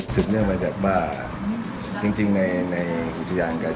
ศึกเณี้ยงวันและบ้าเดี๋ยวจีงในอุทยางการ